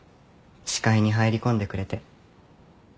視界に入り込んでくれて。